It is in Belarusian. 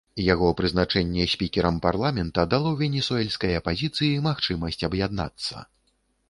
Яго прызначэнне спікерам парламента дало венесуэльскай апазіцыі магчымасць аб'яднацца.